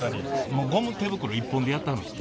もうゴム手袋一本でやってはるんですか？